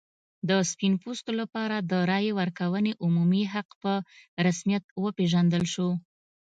د سپین پوستو لپاره د رایې ورکونې عمومي حق په رسمیت وپېژندل شو.